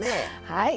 はい。